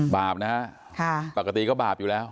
บาปนะฮะปกติก็บาปอยู่แล้ว